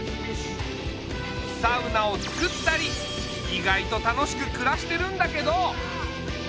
サウナをつくったり意外と楽しくくらしてるんだけど。